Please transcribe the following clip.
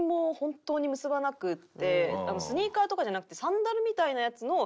スニーカーとかじゃなくて。